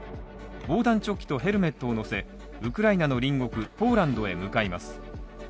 防弾チョッキとヘルメットを載せ、ウクライナの隣国、ポーランドへ向かいます。